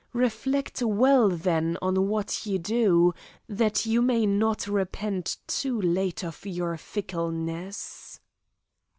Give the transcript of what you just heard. Reflect well, then, on what you do, that you may not repent too late of your fickleness."